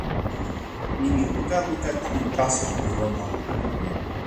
nimi luka luka tu taso li lon ona.